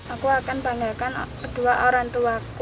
aku akan panggilkan dua orang tuaku